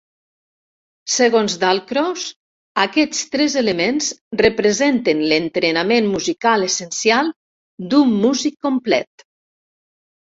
Segons Dalcroze, aquests tres elements representen l’entrenament musical essencial d’un músic complet.